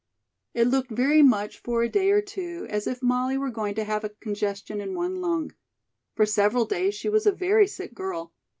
It looked very much for a day or two as if Molly were going to have a congestion in one lung. For several days she was a very sick girl.